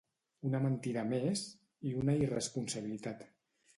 Una mentida més, i una irresponsabilitat.